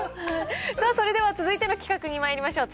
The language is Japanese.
それでは続いての企画にまいりましょう。